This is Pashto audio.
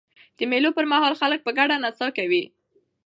د مېلو پر مهال خلک په ګډه نڅا کوي.